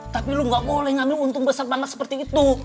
tapi lu gak boleh ngambil untung besar banget seperti itu